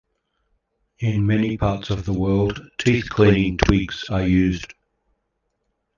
In many parts of the world teeth cleaning twigs are used.